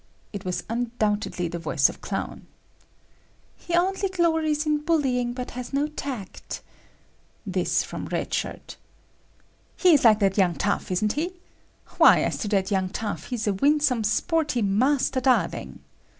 It was undoubtedly the voice of Clown. "He only glories in bullying but has no tact." This from Red Shirt. "He is like that young tough, isn't he? Why, as to that young tough, he is a winsome, sporty Master Darling."